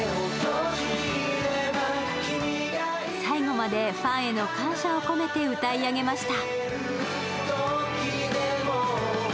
最後までファンへの感謝を込めて歌い上げました。